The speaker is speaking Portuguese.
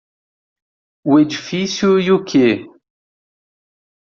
O edifício e o que?